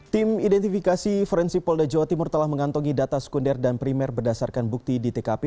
tim identifikasi forensik polda jawa timur telah mengantongi data sekunder dan primer berdasarkan bukti di tkp